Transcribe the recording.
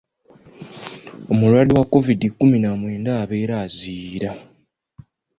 Omulwadde wa Kovidi kkumi na mwenda abeera aziyira.